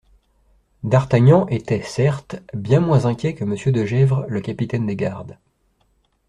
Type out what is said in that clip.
D'Artagnan était, certes, bien moins inquiet que Monsieur de Gesvres, le capitaine des gardes.